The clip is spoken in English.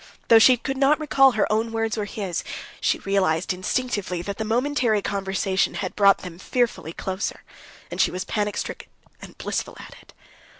Though she could not recall her own words or his, she realized instinctively that the momentary conversation had brought them fearfully closer; and she was panic stricken and blissful at it.